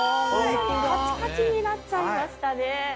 カチカチになっちゃいましたね。